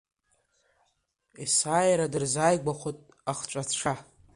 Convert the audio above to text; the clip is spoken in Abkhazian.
Есааира дырзааигәахоит ахҵәацәа.